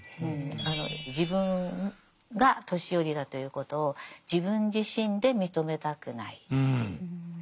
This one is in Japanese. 自分が年寄りだということを自分自身で認めたくないという。